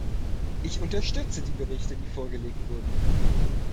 Ich unterstütze die Berichte, die vorgelegt wurden.